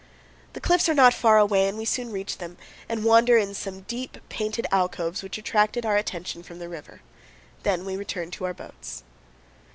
The cliffs are not far away and we soon reach them, and wander in some deep, painted alcoves which attracted our attention from the river; then we return to our boats.